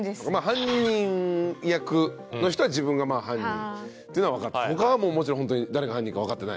犯人役の人は自分が犯人っていうのは分かって他はもちろんホントに誰が犯人か分かってない。